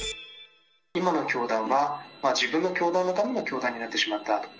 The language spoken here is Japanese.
今の教団は、自分の教団のための教団になってしまった。